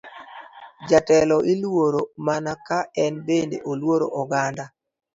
Jatelo iluoro mana ka en be oluoro oganda.